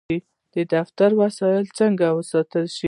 دفتري وسایل څنګه وساتل شي؟